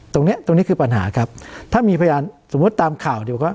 ตรงนี้ตรงนี้คือปัญหาครับถ้ามีพยานสมมุติตามข่าวเดี๋ยวก็